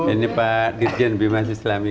ini pak dirjen bimahislami